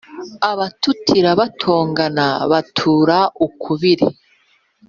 Abatutira batongana batura ukubiri